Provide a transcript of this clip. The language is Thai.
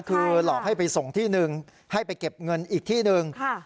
คือหลอกให้ไปส่งที่หนึ่งให้ไปเก็บเงินอีกที่หนึ่ง